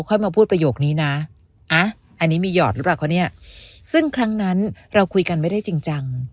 มาพูดประโยคนี้นะอันนี้มีหยอดหรือเปล่าคะเนี่ยซึ่งครั้งนั้นเราคุยกันไม่ได้จริงจัง